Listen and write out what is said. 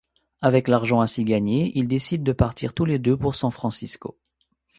Avec l'argent ainsi gagné, ils décident de partir tous les deux pour San Francisco.